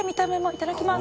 いただきます。